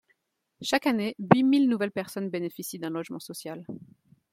Chaque année, huit mille nouvelles personnes bénéficient d’un logement social.